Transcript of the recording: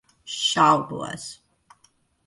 Šaubos.